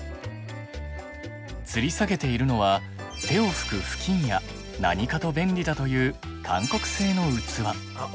つり下げているのは手を拭く布巾や何かと便利だというあっ